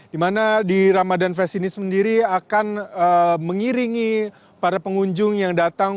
di mana di ramadan fest ini sendiri akan mengiringi para pengunjung yang datang